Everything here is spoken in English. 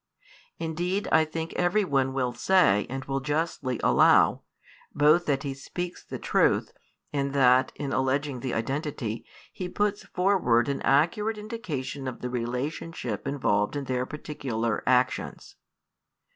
Indeed I think every one will say and will justly allow, both that he speaks the truth and that (in alleging the identity) he puts forward an accurate indication of the relationship involved in their particular actions.